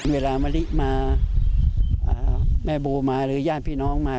มะลิมาแม่โบมาหรือญาติพี่น้องมา